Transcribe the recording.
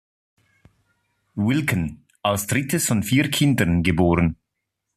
Wilken als drittes von vier Kindern geboren.